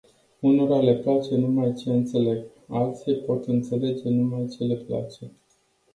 Unora le place numai ce înțeleg, alții pot înțelege numai ce le place.